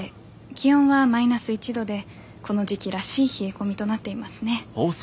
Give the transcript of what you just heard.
気温はマイナス１度でこの時期らしい冷え込みとなっていますね。